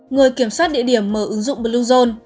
người kiểm soát địa điểm mở ứng dụng bluezone